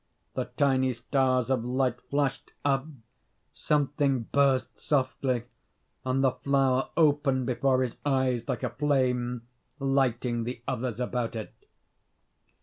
The tiny stars of light flashed up, something burst softly, and the flower opened before his eyes like a flame, lighting the others about it.